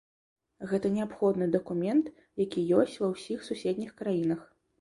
Гэта неабходны дакумент, які ёсць ва ўсіх суседніх краінах.